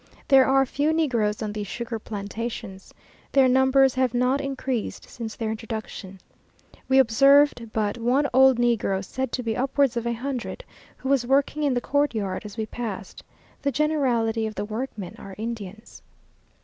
There are few negroes on these sugar plantations. Their numbers have not increased since their introduction. We observed but one old negro, said to be upwards of a hundred, who was working in the courtyard as we passed; the generality of the workmen are Indians.